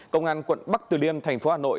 công an quận bắc từ liêm thành phố hà nội